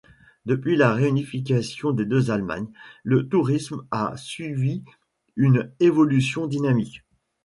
Depuis la réunification des deux Allemagnes, le tourisme a suivi une évolution dynamique.